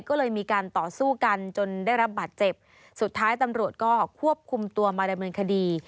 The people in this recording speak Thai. ก็เลยมีการต่อสู้กันจนได้รับบาดเจ็บสุดท้ายตำรวจก็ควบคุมตัวมาดำเนินคดี